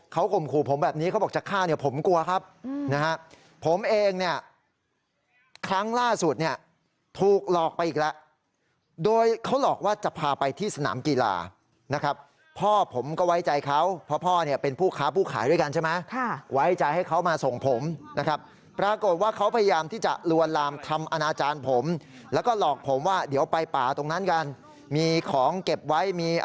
เขาข่มขู่ผมแบบนี้เขาบอกจะฆ่าเนี่ยผมกลัวครับนะฮะผมเองเนี่ยครั้งล่าสุดเนี่ยถูกหลอกไปอีกแล้วโดยเขาหลอกว่าจะพาไปที่สนามกีฬานะครับพ่อผมก็ไว้ใจเขาเพราะพ่อเนี่ยเป็นผู้ค้าผู้ขายด้วยกันใช่ไหมไว้ใจให้เขามาส่งผมนะครับปรากฏว่าเขาพยายามที่จะลวนลามทำอนาจารย์ผมแล้วก็หลอกผมว่าเดี๋ยวไปป่าตรงนั้นกันมีของเก็บไว้มี